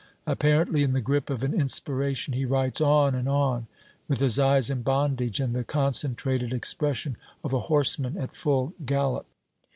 Apparently in the grip of an inspiration, he writes on and on, with his eyes in bondage and the concentrated expression of a horseman at full gallop.